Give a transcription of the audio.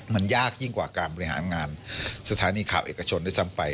มันยากยิ่งกว่าการบริหารงานสถานีข่าวเอกชนด้วยซ้ำไป